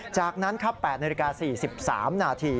จากนั้นครับ๘นาฬิกา๔๓นาที